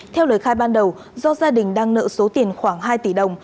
theo lời khai ban đầu do gia đình đang nợ số tiền khoảng hai tỷ đồng